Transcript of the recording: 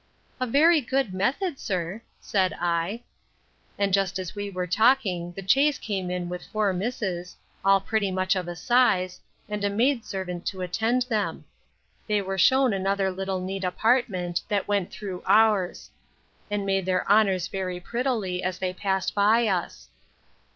A very good method, sir, said I. And just as we were talking, the chaise came in with four misses, all pretty much of a size, and a maid servant to attend them. They were shewn another little neat apartment, that went through ours; and made their honours very prettily, as they passed by us.